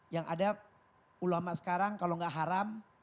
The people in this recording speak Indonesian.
yang ada ulama sekarang kalau nggak haram